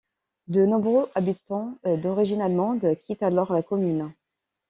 De nombreux habitants d'origine allemande quittent alors la commune.